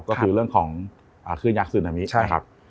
ก็คือเรื่องของขึ้นยักษณะนี้นะครับ